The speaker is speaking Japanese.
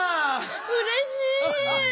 うれしい！